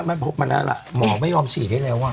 พบมาแล้วล่ะหมอไม่ยอมฉีดให้แล้ว